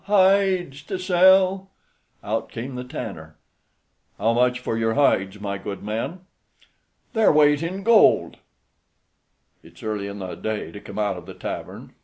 hides to sell.'" Out came the tanner: "How much for your hides, my good men?" "Their weight in gold." "It's early in the day to come out of the tavern."